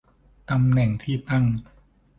ตำแหน่งที่ตั้ง